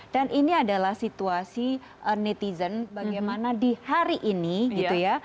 dan ini adalah situasi netizen bagaimana di hari ini gitu ya